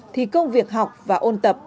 thì công việc học và ôn tập